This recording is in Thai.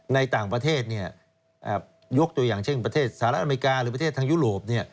ในต่างประเทศยกตัวอย่างเช่นประเทศสหรัฐอเมริกาหรือประเทศทางยุโรป